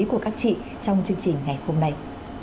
của các chị trong chương trình ngày hôm nay